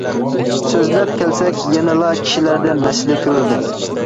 سۆزلەپ كەلسەك يەنىلا كىشىلەردە مەسىلە كۆرۈلدى.